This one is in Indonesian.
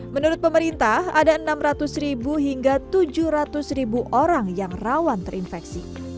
menurut pemerintah ada enam ratus hingga tujuh ratus orang yang rawan terinfeksi